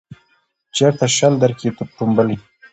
چیرته شل درکښې ټومبلی